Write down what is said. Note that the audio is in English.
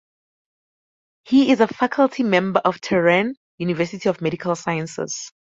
He is a faculty member of Tehran University of Medical sciences.